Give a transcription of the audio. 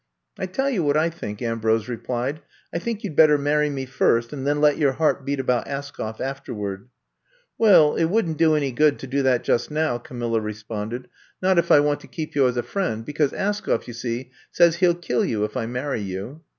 I tell you what I think," Ambrose re plied ; I think you 'd better marry me first and then let your heart beat about Askoff afterward. '' Well, it wouldn't do any good to do that just now," Camilla responded, not I'VE COME TO STAY 101 if I want to keep you as a friend — ^because Askoflf, you see, says he '11 kill you if I marry you.